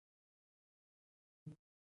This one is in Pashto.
دغه ځای ته ممر الوجحات نوم ورکړل شوی دی.